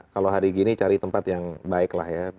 kalau hari gini cari tempat yang baik